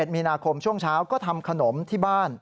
มีนาคมช่วงเช้าก็ทำขนมที่บ้าน